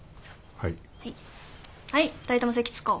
はい。